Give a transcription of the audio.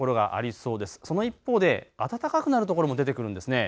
その一方で暖かくなるところも出てくるんですね。